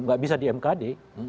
tidak bisa di mkd